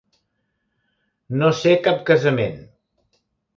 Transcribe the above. No ser cap casament.